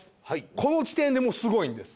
この時点でもうすごいんです。